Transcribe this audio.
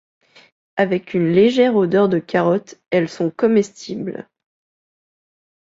Avec une légère odeur de carotte, elles sont comestibles.